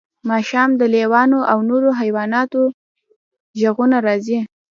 ماښام د لیوانو او نورو حیواناتو غږونه راځي